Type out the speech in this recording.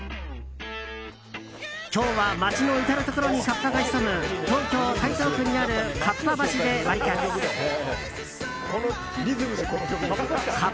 今日は街の至るところにカッパが潜む東京・台東区にある合羽橋でワリカツ。